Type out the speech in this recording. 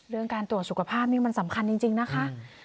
เรื่องการตรวจสุขภาพนี่มันสำคัญจริงนะคะ